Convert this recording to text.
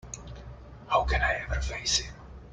How can I ever face him?